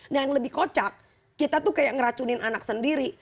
nah yang lebih kocak kita tuh kayak ngeracunin anak sendiri